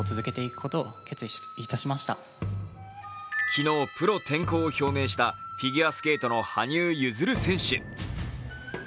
昨日、プロ転向を表明したフィギュアスケートの羽生結弦選手。